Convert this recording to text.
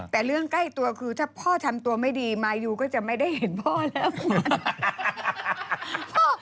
แต่เรื่องใกล้ตัวคือถ้าพ่อทำตัวไม่ดีมายูก็จะไม่ได้เห็นพ่อแล้ว